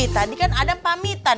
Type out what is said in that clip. tadi kan adam pamitan